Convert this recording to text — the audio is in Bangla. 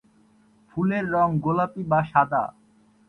ফুলের রং গোলাপী বা সাদা।